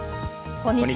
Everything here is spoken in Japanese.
こんにちは。